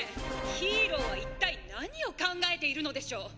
ヒーローは一体何を考えているのでしょう！